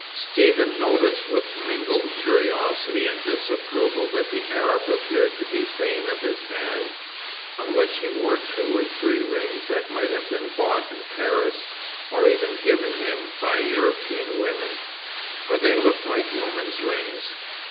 Stephen noticed with mingled curiosity and disapproval that the Arab appeared to be vain of his hands, on which he wore two or three rings that might have been bought in Paris, or even given him by European women for they looked like a woman's rings.